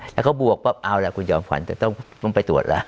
แล้วเขาบวกปั๊บเอาล่ะคุณจอมขวัญจะต้องไปตรวจล่ะ